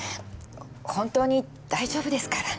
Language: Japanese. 本当に大丈夫ですから。